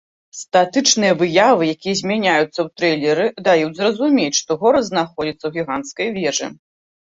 Статычныя выявы, якія змяняюцца ў трэйлеры даюць зразумець, што горад знаходзіцца ў гіганцкай вежы.